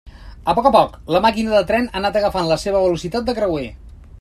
A poc a poc, la màquina de tren ha anat agafant la seva velocitat de creuer.